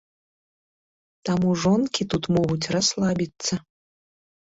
Таму жонкі тут могуць расслабіцца.